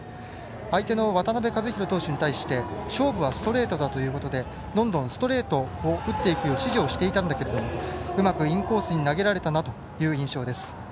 相手の渡辺和大投手に対して勝負はストレートだということでどんどんストレートを打っていく指示をしていたんですがうまくインコースに投げられたなという印象です。